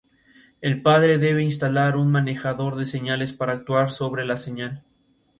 El padre debe instalar un manejador de señales para actuar sobre la señal.